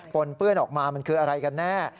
นเปื้อนออกมามันคืออะไรกันแน่